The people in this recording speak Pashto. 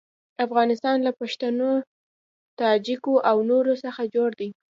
افغانستان له پښتنو، تاجکو او نورو څخه جوړ دی.